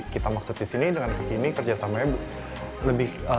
kita maksud disini dengan kekini kerjasamanya lebih